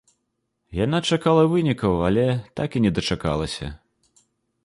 Яна чакала вынікаў, але так і не дачакалася.